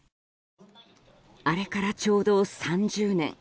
あれからちょうど３０年。